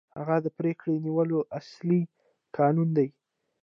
هغه د پرېکړې نیولو اصلي کانون دی.